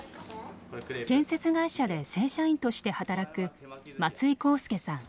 建設会社で正社員として働く松井康介さん